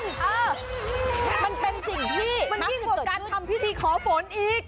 เออมันเป็นสิ่งที่มันยิ่งกว่าการทำพิธีขอฝนอีก